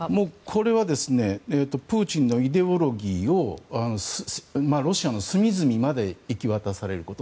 これはプーチンのイデオロギーをロシアの隅々まで行き渡すこと。